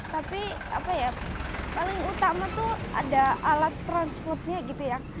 tapi paling utama tuh ada alat transportnya gitu ya